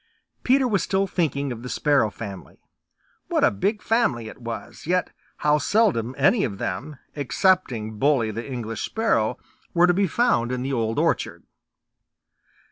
Peter was still thinking of the Sparrow family; what a big family it was, yet how seldom any of them, excepting Bully the English Sparrow, were to be found in the Old Orchard.